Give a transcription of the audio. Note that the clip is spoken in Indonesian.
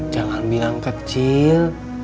jangan bilang kecil